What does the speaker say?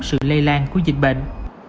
sự lây lan của dịch bệnh